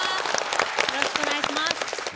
よろしくお願いします。